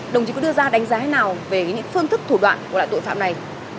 đồng chí có đưa ra đánh giá thế nào về những phương thức thủ đoạn của loại tội phạm này